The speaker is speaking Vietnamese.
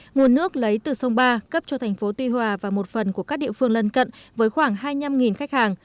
nguồn nước lấy từ sông ba cấp cho tp tuy hòa và một phần của các địa phương lân cận với khoảng hai trăm linh khách hàng